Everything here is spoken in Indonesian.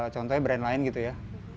contohnya brand lain gitu ya